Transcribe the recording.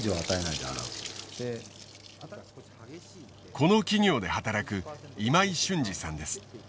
この企業で働く今井俊次さんです。